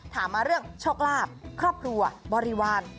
ถามมาเรื่องโชคลาภครอบครัวบริวาร